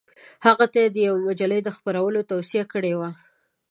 هغه ته یې د یوې مجلې د خپرولو توصیه کړې وه.